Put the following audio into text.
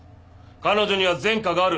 彼女には前科がある。